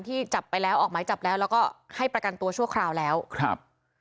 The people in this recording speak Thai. จับไปแล้วออกหมายจับแล้วแล้วก็ให้ประกันตัวชั่วคราวแล้วครับ